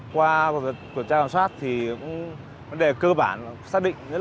qua cuộc trang sát thì vấn đề cơ bản xác định